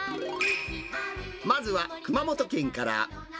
まずは熊本県から。